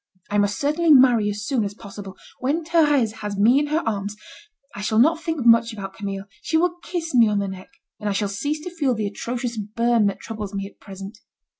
I must certainly marry as soon as possible. When Thérèse has me in her arms, I shall not think much about Camille. She will kiss me on the neck, and I shall cease to feel the atrocious burn that troubles me at present.